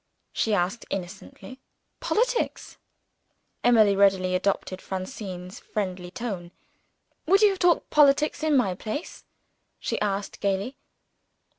she asked innocently. "Politics?" Emily readily adopted Francine's friendly tone. "Would you have talked politics, in my place?" she asked gayly.